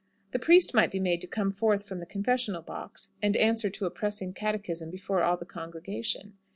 The priest might be made to come forth from the confessional box, and answer to a pressing catechism before all the congregation.